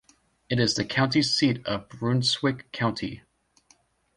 It is the county seat of Brunswick County.